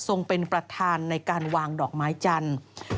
เป็นประธานในการวางดอกไม้จันทร์